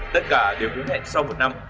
tất cả đều hứa hẹn sau một năm